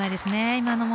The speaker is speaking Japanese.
今のも。